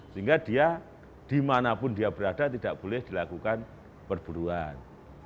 sehingga dia dimanapun dia berada tidak boleh dilakukan perburuan